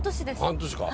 半年か。